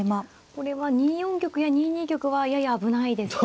これは２四玉や２二玉はやや危ないですか。